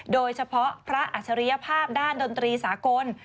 โดยเฉพาะพระอัจฉริยภาพด้านดนตรีสากล